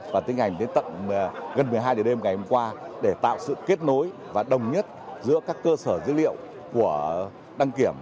và tinh hành đến tận gần một mươi hai giờ đêm ngày hôm qua để tạo sự kết nối và đồng nhất giữa các cơ sở dữ liệu của đăng kiểm